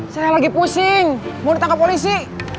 saya lagi pusing mau ditangkap polisi